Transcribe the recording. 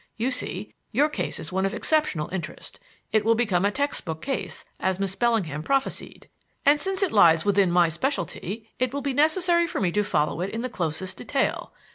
You see, your case is one of exceptional interest it will become a textbook case, as Miss Bellingham prophesied; and, since it lies within my specialty, it will be necessary for me to follow it in the closest detail.